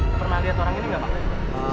pernah lihat orang ini nggak pak